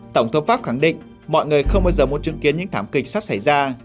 tổng thống pháp khẳng định mọi người không bao giờ muốn chứng kiến những thảm kịch sắp xảy ra